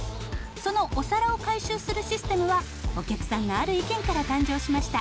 そのお皿を回収するシステムはお客さんのある意見から誕生しました。